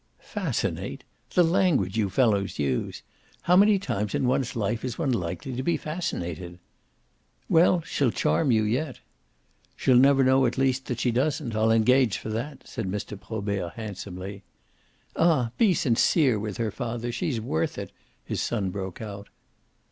"'Fascinate' the language you fellows use! How many times in one's life is one likely to be fascinated?" "Well, she'll charm you yet." "She'll never know at least that she doesn't: I'll engage for that," said Mr. Probert handsomely. "Ah be sincere with her, father she's worth it!" his son broke out.